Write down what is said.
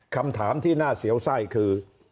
คำถามที่น่าเสียวไส้คือ